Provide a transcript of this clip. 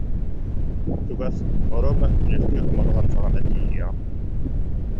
Чугас, оруобуна күнүскү омурҕан саҕана тиийэҕин